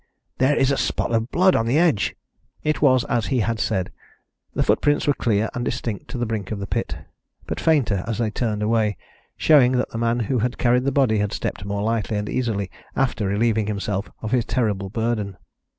there is a spot of blood on the edge." It was as he had said. The footprints were clear and distinct to the brink of the pit, but fainter as they turned away, showing that the man who had carried the body had stepped more lightly and easily after relieving himself of his terrible burden.